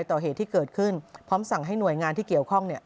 ต่อเหตุที่เกิดขึ้นพร้อมสั่งให้หน่วยงานที่เกี่ยวข้อง